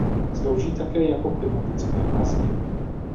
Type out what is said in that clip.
Slouží také jako klimatické lázně.